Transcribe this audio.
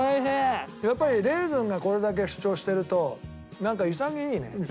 やっぱりレーズンがこれだけ主張してるとなんか潔いね。